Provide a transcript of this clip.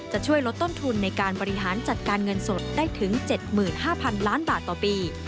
จะช่วยลดต้นทุนในการบริหารจัดการเงินสดได้ถึง๗๕๐๐๐ล้านบาทต่อปี